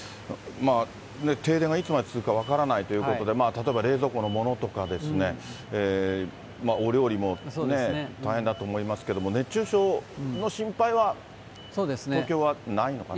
停電がいつまで続くか分からないということで、例えば冷蔵庫のものとかですね、お料理も大変だと思いますけども、熱中症の心配は、東京はないのかな。